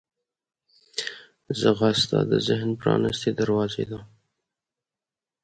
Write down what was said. ځغاسته د ذهن پرانستې دروازې ده